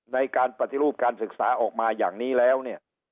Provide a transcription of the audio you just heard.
ในการปฏิรูปการศึกษาออกมาอย่างนี้แล้วเนี่ย